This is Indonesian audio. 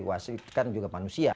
wasid kan juga manusia